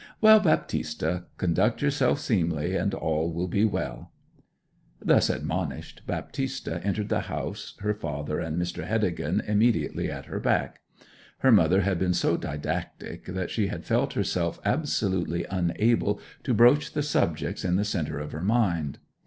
Well, Baptista, conduct yourself seemly, and all will be well.' Thus admonished, Baptista entered the house, her father and Mr. Heddegan immediately at her back. Her mother had been so didactic that she had felt herself absolutely unable to broach the subjects in the centre of her mind.